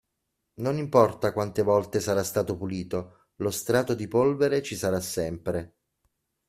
Non importa quante volte sarà stato pulito, lo strato di polvere ci sarà sempre.